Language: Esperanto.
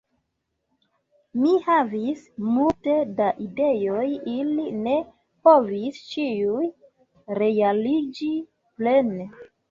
Mi havis multe da ideoj ili ne povis ĉiuj realiĝi plene.